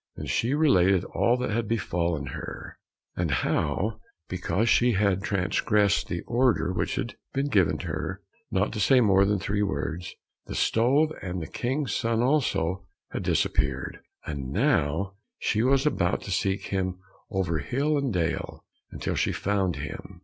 Then she related all that had befallen her, and how because she had transgressed the order which had been given her not to say more than three words, the stove, and the King's son also, had disappeared, and now she was about to seek him over hill and dale until she found him.